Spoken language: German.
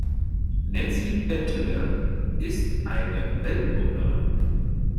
Nancy Bentele ist eine Weltenbummlerin.